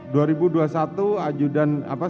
sudara terdakwa menjadi